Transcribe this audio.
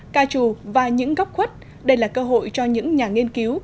ca trù và những góc khuất đây là cơ hội cho những nhà nghiên cứu